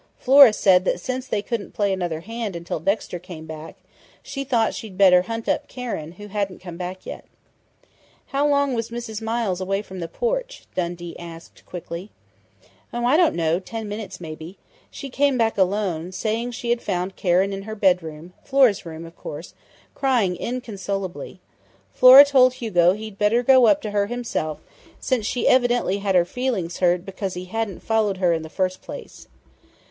Flora said that since they couldn't play another hand until Dexter came back, she thought she'd better hunt up Karen, who hadn't come back yet." "How long was Mrs. Miles away from the porch?" Dundee asked quickly. "Oh, I don't know ten minutes, maybe. She came back alone, saying she had found Karen in her bedroom Flora's room, of course crying inconsolably. Flora told Hugo he'd better go up to her himself, since she evidently had her feelings hurt because he hadn't followed her in the first place.